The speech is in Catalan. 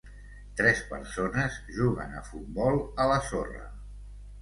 Tres persones juguen a futbol a la sorra.